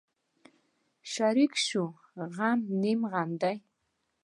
شریک شوی غم نیم غم دی.